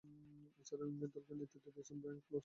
এছাড়াও, ইংল্যান্ড দলকে নেতৃত্ব দিয়েছেন ব্রায়ান ক্লোজ।